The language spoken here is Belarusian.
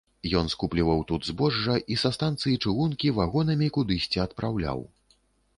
Ён скупліваў тут збожжа і са станцыі чыгункі вагонамі кудысьці адпраўляў.